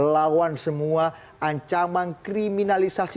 dan melawan semua ancaman kriminalisasi